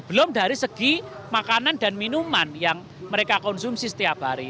belum dari segi makanan dan minuman yang mereka konsumsi setiap hari